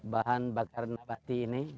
bahan bakar nabati ini